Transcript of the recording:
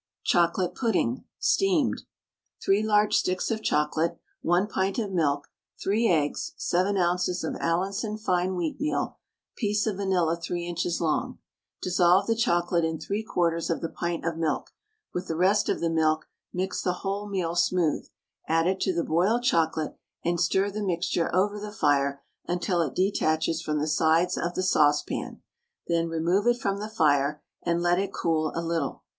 CHOCOLATE PUDDING (STEAMED). Three large sticks of chocolate, 1 pint of milk, 3 eggs, 7 oz. of Allinson fine wheatmeal, piece of vanilla 3 inches long Dissolve the chocolate in 3/4 of the pint of milk, with the rest of the milk mix the wholemeal smooth, add it to the boiled chocolate, and stir the mixture over the fire until it detaches from the sides of the saucepan; then remove it from the fire and let it cool a little.